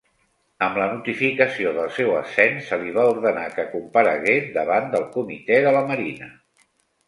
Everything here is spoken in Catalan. Amb la notificació del seu ascens se li va ordenar que comparegués davant del Comitè de la Marina.